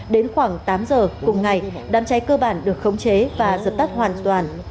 đến khoảng tám giờ cùng ngày đám cháy cơ bản được khống chế và giật tắt hoàn toàn